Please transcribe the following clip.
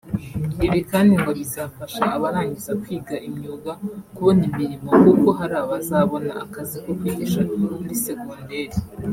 Ibi kandi ngo bizafasha abarangiza kwiga imyuga kubona imirimo kuko hari abazabona akazi ko kwigisha muri segonderi